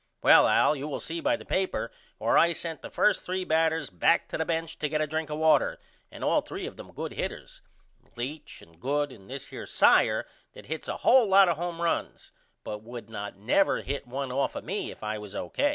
Well Al you will see by the paper where I sent the 1st 3 batters back to the bench to get a drink of water and all 3 of them good hitters Leach and Good and this here Saier that hits a hole lot of home runs but would not never hit one off of me if I was O.